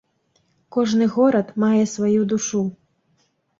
Кожны горад мае сваю душу.